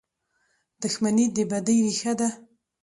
• دښمني د بدۍ ریښه ده.